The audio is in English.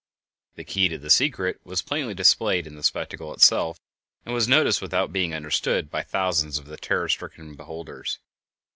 The key to the secret was plainly displayed in the spectacle itself, and was noticed without being understood by thousands of the terror stricken beholders.